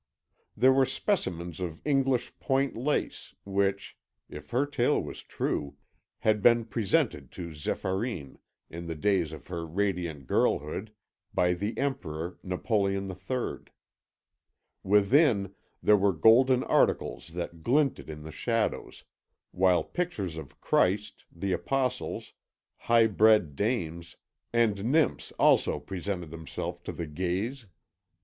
There were specimens of English point lace which, if her tale was true, had been presented to Zéphyrine, in the days of her radiant girlhood, by the Emperor Napoleon III. Within, there were golden articles that glinted in the shadows, while pictures of Christ, the Apostles, high bred dames, and nymphs also presented themselves to the gaze.